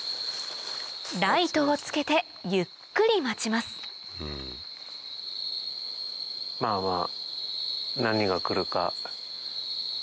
ライトをつけてゆっくり待ちますまぁまぁ。